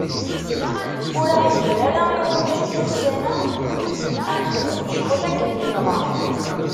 Ur aɣ-gin ara iɣumac n wussan-a, ad nexdem ccɣel akken nebɣa.